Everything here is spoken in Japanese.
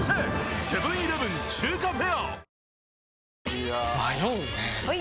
いや迷うねはい！